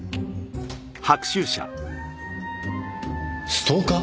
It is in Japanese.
ストーカー？